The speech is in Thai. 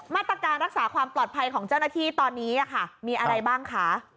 มาตรการรักษาความปลอดภัยของเจ้าหน้าที่ตอนนี้มีอะไรบ้างคะ